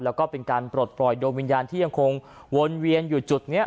แล้วก็เป็นการปลดปล่อยดวงวิญญาณที่ยังคงวนเวียนอยู่จุดนี้